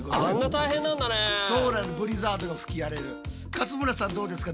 勝村さんどうですか？